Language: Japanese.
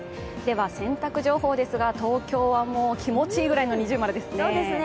洗濯情報ですが、東京は気持ちいいくらいの◎ですね。